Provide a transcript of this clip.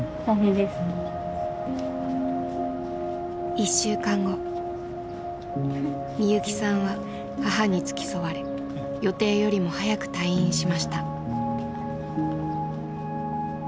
１週間後みゆきさんは母に付き添われ予定よりも早く退院しました。